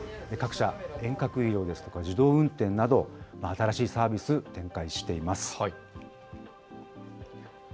各社、遠隔医療ですとか、自動運転など、新しいサービス、展開しています。